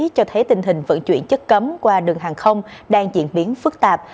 cho thấy tình hình vận chuyển chất cấm qua đường hàng không đang diễn biến phức tạp